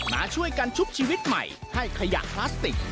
มาช่วยกันชุบชีวิตใหม่ให้ขยะพลาสติก